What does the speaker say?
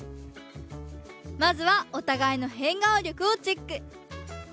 まずはおたがいの変顔力をチェック。